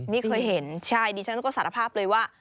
ไม่เคยเห็นใช่ดิฉันก็สารภาพเลยว่า